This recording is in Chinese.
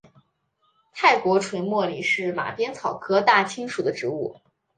泰国垂茉莉是马鞭草科大青属的植物。